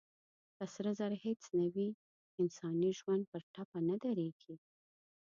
که سره زر هېڅ نه وي، انساني ژوند پر ټپه نه درېږي.